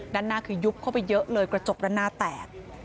ด้านหน้าคือยุบเข้าไปเยอะเลยกระจกด้านหน้าแตก